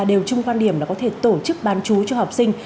đều chung quan điểm là có thể tổ chức bán chú cho học sinh